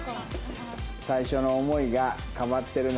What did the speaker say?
最初の思いが変わってるのか。